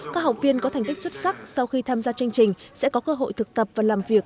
các học viên có thành tích xuất sắc sau khi tham gia chương trình sẽ có cơ hội thực tập và làm việc